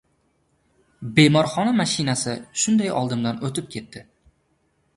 Bemorxona mashinasi shunday oldimdan o‘tib ketdi.